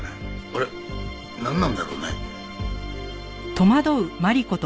あれなんなんだろうね？